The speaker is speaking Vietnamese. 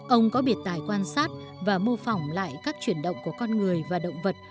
ông có biệt tài quan sát và mô phỏng lại các chuyển động của con người và động vật